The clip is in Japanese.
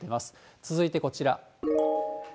続いてこちら。